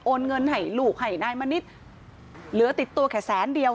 เงินให้ลูกให้นายมณิษฐ์เหลือติดตัวแค่แสนเดียว